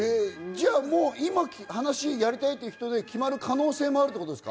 今、話、やりたいって人で決まる可能性もあるってことですか？